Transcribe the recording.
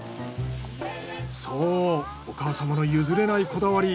そうお母様の譲れないこだわり。